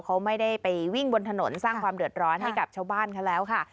เขาไม่ได้ไปวิ่งบนถนนสร้างความเดือดร้อนให้กับชาวบ้านเขาแล้วค่ะ